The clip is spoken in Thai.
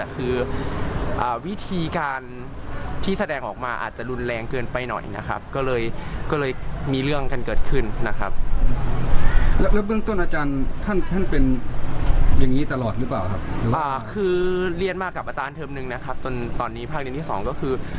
คือเรียนมากกับอาจารย์เทิมหนึ่งนะครับตอนนี้ภาคเรียนที่สองก็คือ